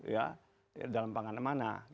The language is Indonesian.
ya dalam panganan mana